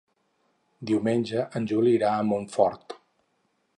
Diumenge en Juli irà a Montfort.